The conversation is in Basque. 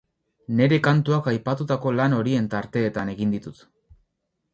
Nere kantuak aipatutako lan horien tarteetan egiten ditut.